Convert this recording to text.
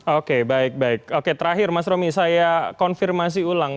oke baik baik oke terakhir mas romy saya konfirmasi ulang